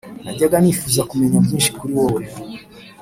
najyaga nifuza kumenya byinshi kuri wowe,